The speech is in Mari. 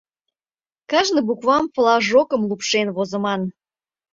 Кажне буквам флажокым лупшен возыман.